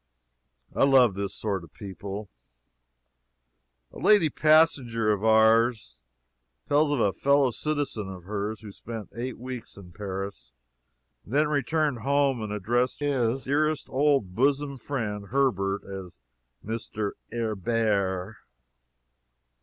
I love this sort of people. A lady passenger of ours tells of a fellow citizen of hers who spent eight weeks in Paris and then returned home and addressed his dearest old bosom friend Herbert as Mr. "Er bare!"